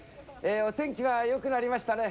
お天気はよくなりましたね。